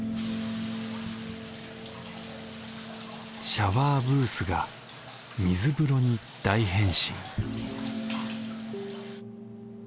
シャワーブースが水風呂に大変身